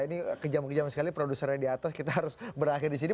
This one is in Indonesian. ini kejam kejam sekali produser yang di atas kita harus berakhir di sini